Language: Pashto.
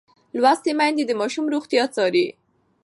لوستې میندې د ماشوم روغتیا څاري.